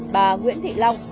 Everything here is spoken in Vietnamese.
bà nguyễn thị long